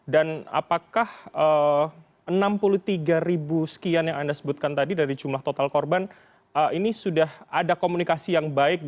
dan apakah enam puluh tiga ribu sekian yang anda sebutkan tadi dari jumlah total korban ini sudah ada komunikasi yang baik